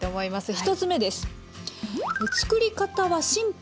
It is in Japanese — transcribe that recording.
１つ目です。